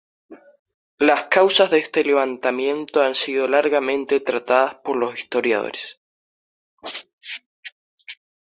Las causas de este levantamiento han sido largamente tratadas por los historiadores.